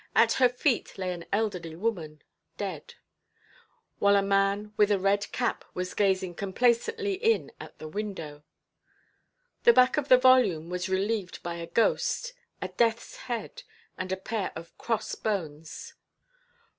At her feet lay an elderly woman, dead; while a man with a red cap was gazing complacently in at the window. The back of the volume was relieved by a ghost, a deathʼs head, and a pair of cross–bones.